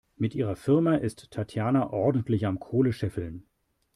Mit ihrer Firma ist Tatjana ordentlich am Kohle scheffeln.